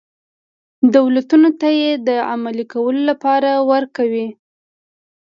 دولتونو ته یې د عملي کولو لپاره ورک وي.